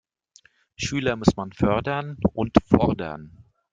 Schüler muss man fördern und fordern.